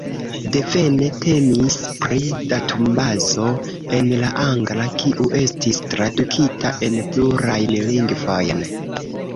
Devene temis pri datumbazo en la angla, kiu estis tradukita en plurajn lingvojn.